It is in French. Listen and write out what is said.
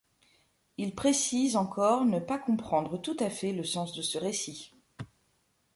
Il précise encore ne pas comprendre tout à fait le sens de ce récit.